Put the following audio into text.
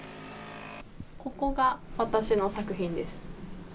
ここが私の作品です。